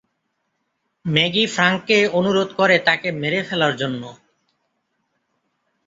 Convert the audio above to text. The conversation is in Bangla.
ম্যাগি ফ্র্যাংক-কে অনুরোধ করে তাকে মেরে ফেলার জন্য।